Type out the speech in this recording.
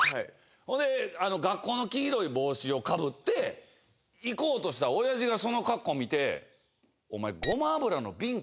ほんで学校の黄色い帽子をかぶって行こうとしたら親父がその格好見てお前。